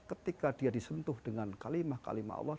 ketika dia disentuh dengan kalimah kalimah allah